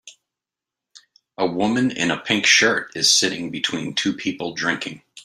A woman in a pink shirt is sitting between two people drinking.